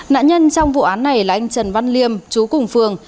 nạn nhân trong vụ án này là anh trần văn liêm chú cùng phường